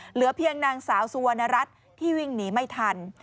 เหลือเพียงนางสาวสุวรรณรัฐที่วิ่งหนีไม่ทัน